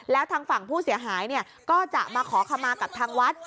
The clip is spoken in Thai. แล้วทางฝั่งผู้เสียหายก็จะมาขอขมากับทางวัด